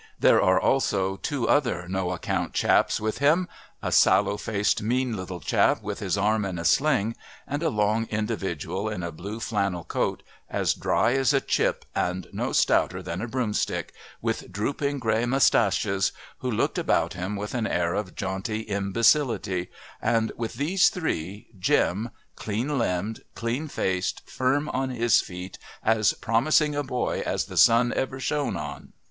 There are also two other "no account chaps with him" a sallow faced mean little chap with his arm in a sling, and a long individual in a blue flannel coat, as dry as a chip and no stouter than a broomstick, with drooping grey moustaches, who looked about him with an air of jaunty imbecility, and, with these three, Jim, "clean limbed, clean faced, firm on his feet, as promising a boy as the sun ever shone on."